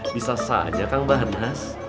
bisa saja kang barnaz